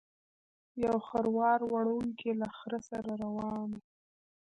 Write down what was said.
یو خروار وړونکی له خره سره روان و.